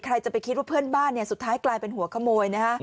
ใครจะไปคิดว่าเพื่อนบ้านเนี่ยสุดท้ายกลายเป็นหัวขโมยนะฮะ